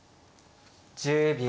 １０秒。